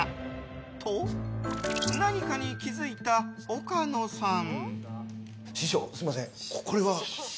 と、何かに気付いた岡野さん。